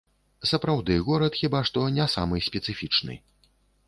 Сапраўды, горад хіба што не самы спецыфічны.